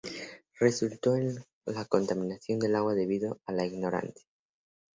Resultó en la contaminación del agua debido a la ignorancia.